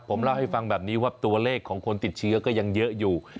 ผมเล่าให้ฟังแบบนี้ว่าตัวเลขของคนติดเชื้อก็ยังเยอะอยู่